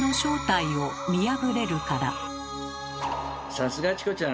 さすがチコちゃん。